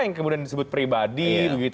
yang kemudian disebut pribadi